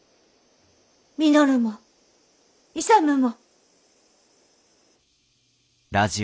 稔も勇も。